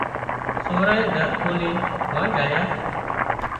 سورانئين در کولينَ مانئين ڍۯيا